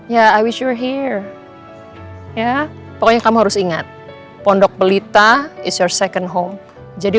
ya i wis your hear ya pokoknya kamu harus ingat pondok pelita is your second home jadi